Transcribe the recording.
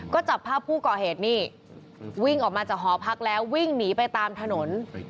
ก็จับภาพผู้ก่อเหตุนี่วิ่งออกมาจากหอพักแล้ววิ่งหนีไปตามถนน